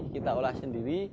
kita olah sendiri